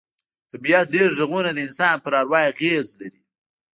د طبیعت ډېر غږونه د انسان پر اروا اغېز لري